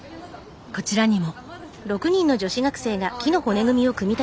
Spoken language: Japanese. こちらにも。